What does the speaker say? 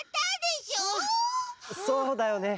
そうだよね。